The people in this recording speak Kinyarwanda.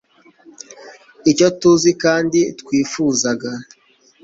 icyo tuzi kandi twifuzaga